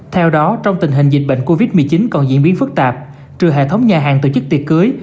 theo đó trong tình hình dịch bệnh covid một mươi chín còn diễn biến phức tạp trừ hệ thống nhà hàng tổ chức tiệc cưới